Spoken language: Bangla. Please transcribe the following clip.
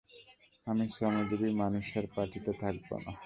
আমি শ্রমজীবি মানুষদের পার্টিতে থাকব না!